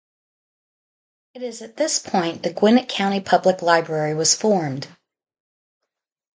It is at this point the Gwinnett County Public Library was formed.